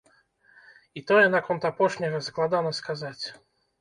І тое наконт апошняга складана сказаць.